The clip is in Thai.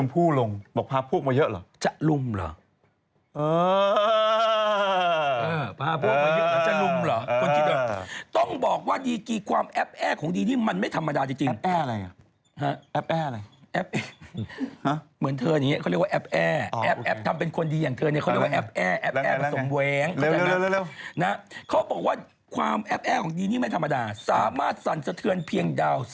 พาพวกมาเยอะหรือจะรุ่มเหรอใครเขียนเนี่ย